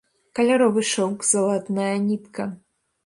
Каляровы шоўк, залатная нітка.